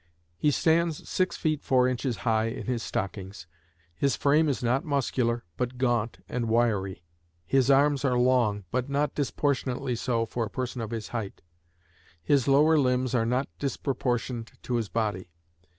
"He stands six feet four inches high in his stockings. His frame is not muscular, but gaunt and wiry; his arms are long, but not disproportionately so for a person of his height; his lower limbs are not disproportioned to his body.